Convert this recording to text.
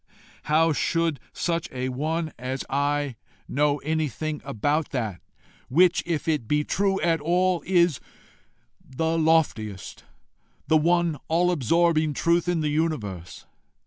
How should such a one as I know anything about that which, if it be true at all, is the loftiest, the one all absorbing truth in the universe?